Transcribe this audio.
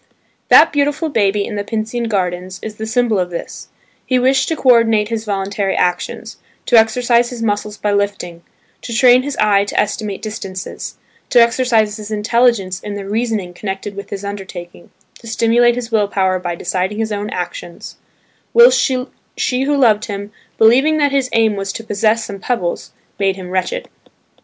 That beautiful baby in the Pincian Gardens is the symbol of this: he wished to co ordinate his voluntary actions; to exercise his muscles by lifting; to train his eye to estimate distances; to exercise his intelligence in the reasoning connected with his undertaking; to stimulate his will power by deciding his own actions; whilst she who loved him, believing that his aim was to possess some pebbles, made him wretched.